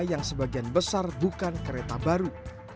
yang sebagian besar bukan kereta baru